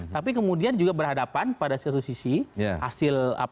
tapi kemudian juga berhadapan pada satu sisi